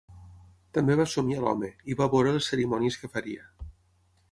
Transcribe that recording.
També va somiar l'home, i va veure les cerimònies que faria.